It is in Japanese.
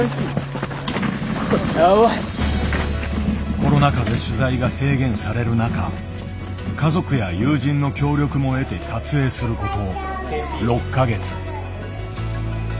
コロナ禍で取材が制限される中家族や友人の協力も得て撮影すること６か月。